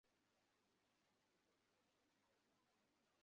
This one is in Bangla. ওর তো এখানে থাকার কথা।